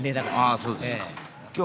ああそうですか。